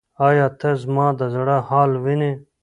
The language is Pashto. ایا ته زما د زړه حال وینې؟